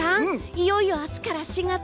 いよいよ明日から４月！